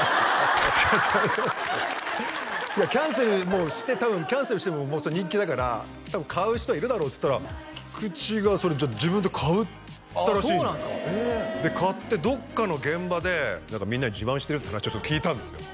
違う違う違ういやキャンセルして多分キャンセルしてもそれ人気だから多分買う人はいるだろうっつったら菊池がそれ自分で買ったらしいので買ってどっかの現場でみんなに自慢してるって話を聞いたんですよ